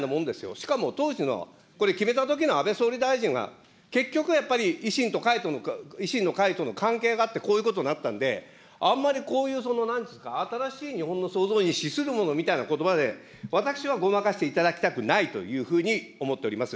しかも、当時のこれ、決めたときの安倍総理大臣が結局やっぱり、維新の会との関係があって、こういうことになったんで、あんまりこういう、そのなんていうんですか、新しい日本の創造に資するものみたいなことばで、私はごまかしていただきたくないというふうに思っております。